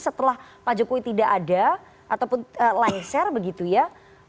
setelah mas jokowi tidak ada ataupun langsir begitu ya